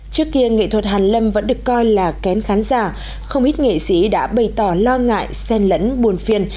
trước kia nghệ thuật hàn lâm vẫn được coi là kén khán giả không ít nghệ sĩ đã bày tỏ lo ngại sen lẫn buồn phiền